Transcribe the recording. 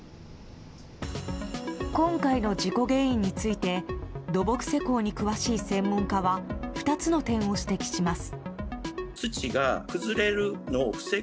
今回の事故原因について土木施工に詳しい専門家は２つの点を指摘します。